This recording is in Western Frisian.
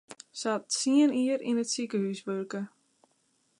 Se hat tsien jier yn it sikehús wurke.